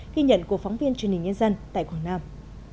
ghi nhận của phóng viên truyền hình nhân dân tại quảng nam